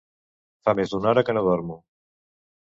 Fa més d'una hora que no dormo.